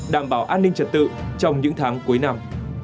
đảm bảo an ninh trật tự trong những tháng cuối năm